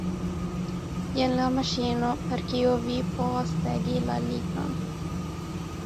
Jen la maŝino, per kiu vi povas segi la lignon.